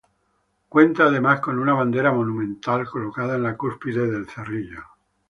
Cuenta además con una bandera monumental colocada en la cúspide de "el cerrillo".